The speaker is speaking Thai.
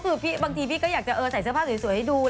เพราะบางที่พี่ก็อยากใส่เสื้อผ้าสวยซวยให้ดู